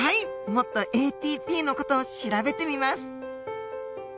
もっとＡＴＰの事を調べてみます。